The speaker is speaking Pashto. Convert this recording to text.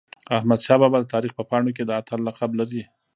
احمدشاه بابا د تاریخ په پاڼو کي د اتل لقب لري.